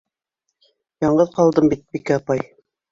Яңғыҙ ҡалдым бит, Бикә апай.